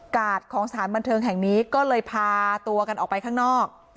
ของสถานบันเทิงแห่งนี้ก็เลยพาตัวกันออกไปข้างนอก